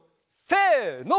せの。